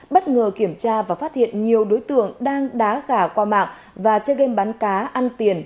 bất ngờ kiểm tra và phát hiện nhiều đối tượng đang đá gà qua mạng và chơi game bán cá ăn tiền